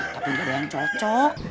tapi nggak ada yang cocok